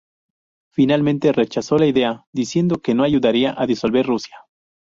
Finalmente rechazó la idea, diciendo que no ayudaría a disolver Rusia.